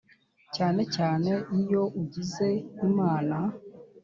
Cyane cyane iyo ugize Imana